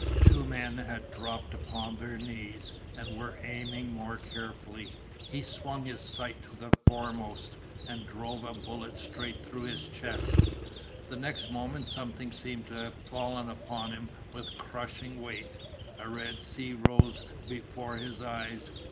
Two men had dropped upon their knees and were aiming more carefully. He swung his sight to the foremost, and drove a bullet straight through his chest. The next moment something seemed to have fallen upon him with crushing weight. A red sea rose before his eyes.